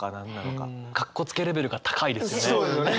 かっこつけレベルが高いですね。